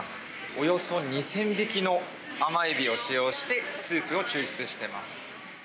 およそ２０００匹の甘エビを使用して、スープを抽出しています。